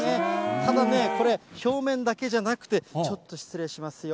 ただね、これ、表面だけじゃなくて、ちょっと失礼しますよ。